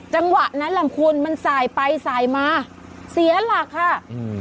จังหวะนั้นแหละคุณมันสายไปสายมาเสียหลักค่ะอืม